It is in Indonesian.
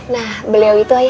nah beliau itu ayah saya